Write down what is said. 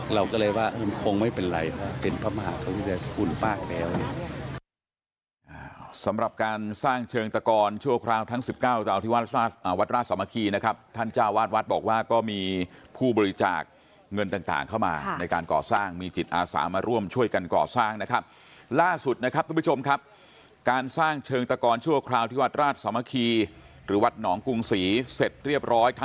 เราก็เลยว่ามันคงไม่เป็นไรเป็นพระมหาธุรกิจภูมิภาคแบบนี้